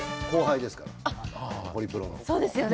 そうですよね